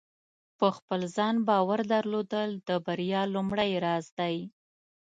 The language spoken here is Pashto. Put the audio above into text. په خپل ځان باور درلودل د بریا لومړۍ راز دی.